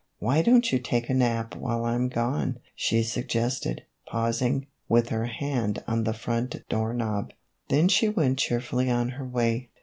" Why don't you take a nap while I 'm gone ?" she suggested, pausing, with her hand on the front door knob; then she went cheerfully on her way.